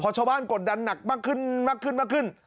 ชาวบ้านกดดันหนักมากขึ้นมากขึ้นมากขึ้น